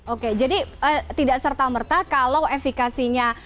oke jadi tidak serta merta kalau efikasinya